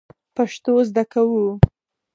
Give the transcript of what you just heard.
پښتو زده کوو